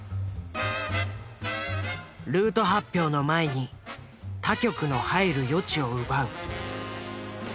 ルート発表の前に他局の入る余地を奪う。